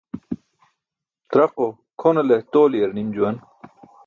Traqo kʰonale tooli̇yar nim juwan.